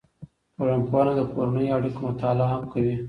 ټولنپوهنه د کورنیو اړیکو مطالعه هم کوي.